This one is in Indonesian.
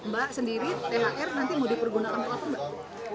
mbak sendiri thr nanti mau dipergunakan apa mbak